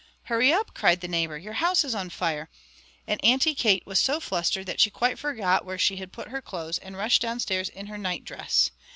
"Hurry up!" cried the neighbour, "your house is on fire!" and Auntie Kate was so flustered that she quite forgot where she had put her clothes, and rushed downstairs in her nightdress.